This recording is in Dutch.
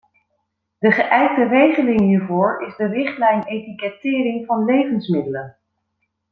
De geijkte regeling hiervoor is de richtlijn etikettering van levensmiddelen.